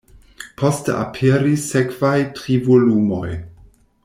Poste aperis sekvaj tri volumoj.